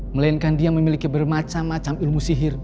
melainkan dia memiliki bermacam macam ilmu sihir